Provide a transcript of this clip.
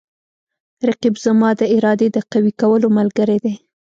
رقیب زما د ارادې د قوي کولو ملګری دی